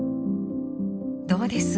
どうです？